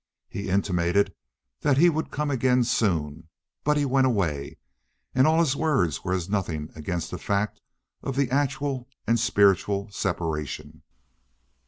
He intimated that he would come again soon, but he went away, and all his words were as nothing against the fact of the actual and spiritual separation.